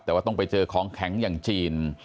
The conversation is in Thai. แต่ว่าต้องไปเจอของแข็งอย่างจีน